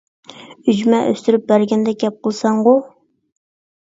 ئۈجمە ئۈستۈرۈپ بەرگەندەك گەپ قىلىسەنغۇ؟ !